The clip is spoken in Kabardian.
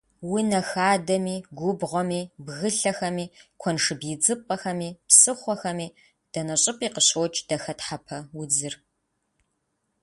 Унэ хадэми, губгъуэми, бгылъэхэми, куэншыб идзыпӏэхэми, псыхъуэхэми, дэнэ щӏыпӏи къыщокӏ дахэтхьэпэ удзыр.